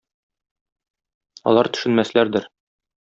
Алар төшенмәсләрдер.